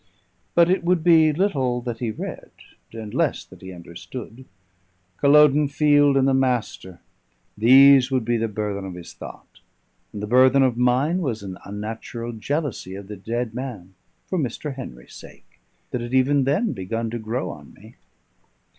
But it would be little that he read, and less that he understood; Culloden field and the Master, these would be the burthen of his thought; and the burthen of mine was an unnatural jealousy of the dead man for Mr. Henry's sake, that had even then begun to grow on me.